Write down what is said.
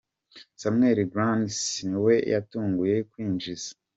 Samuel Grandsir ni we yatanguye kwinjiza.